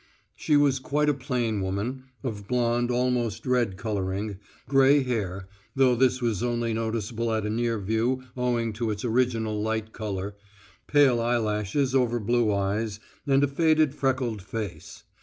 She was quite a plain woman, of blonde almost red colouring, grey hair though this was only noticeable at a near view owing to its original light colour pale eyelashes over blue eyes, and a faded freckled face.